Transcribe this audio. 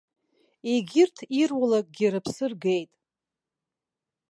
Егьырҭ ирулакгьы рыԥсы ргеит.